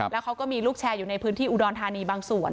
แล้วเขาก็มีลูกแชร์อยู่ในพื้นที่อุดรธานีบางส่วน